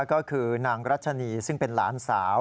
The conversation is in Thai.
ก็คือนางรัชนีซึ่งเป็นหลานสาว